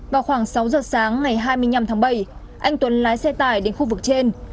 vào khoảng sáu giờ sáng ngày hai mươi năm tháng bảy anh tuấn lái xe tải đến khu vực trên